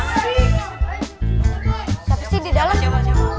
siap siap di dalam